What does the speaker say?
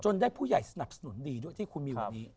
ได้ผู้ใหญ่สนับสนุนดีด้วยที่คุณมีวันนี้